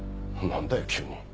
何だよ急に。